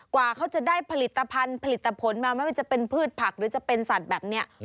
กว่าเขาจะได้ผลิตภัณฑ์ผลิตผลมาไม่ว่าจะเป็นพืชผักหรือจะเป็นสัตว์แบบนี้